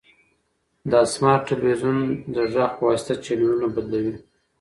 دا سمارټ تلویزیون د غږ په واسطه چینلونه بدلوي.